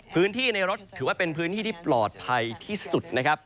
ในรถถือว่าเป็นพื้นที่ที่ปลอดภัยที่สุดนะครับ